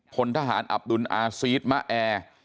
พลทหารอับดุลอาซีสมะแอร์